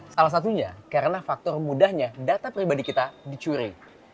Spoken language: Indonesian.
salah satunya karena faktor mudahnya data pribadi kita dicuri